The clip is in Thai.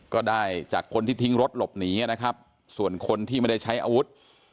ก็ได้จากคนที่ทิ้งรถหลบหนีนะครับส่วนคนที่ไม่ได้ใช้อาวุธ